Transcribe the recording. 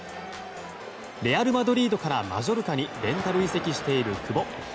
レアル・マドリードからマジョルカにレンタル移籍している久保。